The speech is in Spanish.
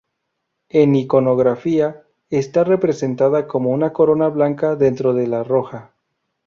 En iconografía está representada como una corona Blanca dentro de la Roja.